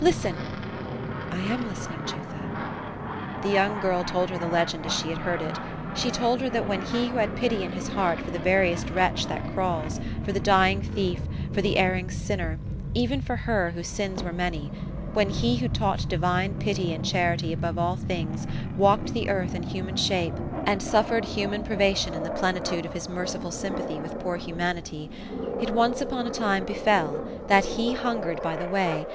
Listen." " I am listening, Jutha" The young girl told her the legend as she had heard it. She told her that when He who had pity in his heart for the veriest wretch that crawls — for the dying thief — ^for the erring sinner— even for her whose sins were many ;— when He who taught divine pity and charity above all things, walked the earth in human shape, and suflfered human privation in the 218 ofhelia; plenitude of his niercifal sympathy with poor humanity, it once upon a time befel, that He hungered by the way.